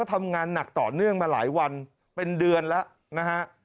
ทำงานหนักต่อเนื่องมาหลายวันเป็นเดือนแล้วนะฮะ